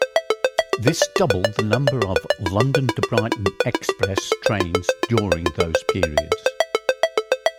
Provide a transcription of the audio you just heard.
This doubled the number of London-to-Brighton express trains during those periods.